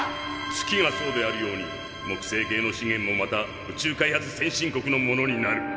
月がそうであるように木星系の資源もまた宇宙開発先進国のものになる。